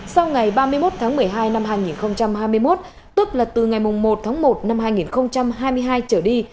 sau ngày ba mươi một tháng một mươi hai năm hai nghìn hai mươi một tức là từ ngày một tháng một năm hai nghìn hai mươi hai trở đi